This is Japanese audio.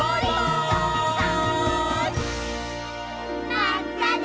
まったね！